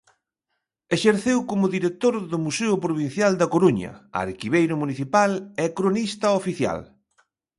Exerceu como director do Museo Provincial da Coruña, arquiveiro municipal e cronista oficial.